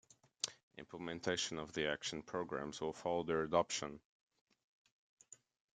Implementation of the action programmes will follow their adoption.